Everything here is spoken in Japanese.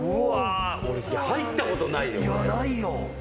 俺、入ったことないよ。